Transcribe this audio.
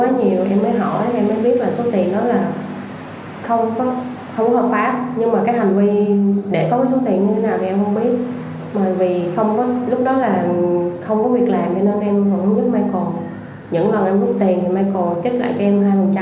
với điều kiện sẽ cho tiền khi có người chuyển tiền vào tài khoản